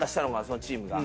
そのチームが。